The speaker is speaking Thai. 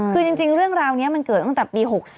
คือจริงเรื่องราวนี้มันเกิดตั้งแต่ปี๖๔